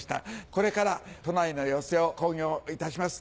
これから都内の寄席を興行いたします。